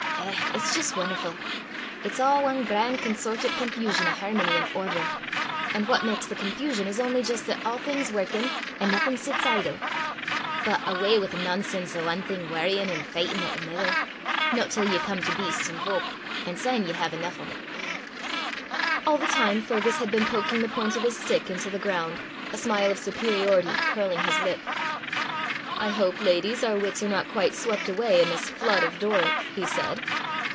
Eh! it's jist won'erfu'. Its a' ae gran' consortit confusion o' hermony an' order; an' what maks the confusion is only jist 'at a' thing's workin' an' naething sits idle. But awa wi' the nonsense o' ae thing worryin' an' fechtin' at anither! no till ye come to beasts an' fowk, an' syne ye hae eneuch o' 't." All the time Fergus had been poking the point of his stick into the ground, a smile of superiority curling his lip. "I hope, ladies, our wits are not quite swept away in this flood of Doric," he said.